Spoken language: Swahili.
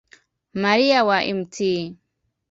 Maria wa Mt.